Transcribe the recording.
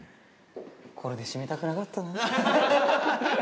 これで締めたくなかったな。